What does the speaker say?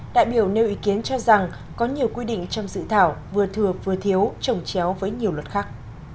đại biểu nêu ý kiến cho rằng có nhiều quy định trong dự thảo vừa thừa vừa thiếu trồng chéo với nhiều luật khác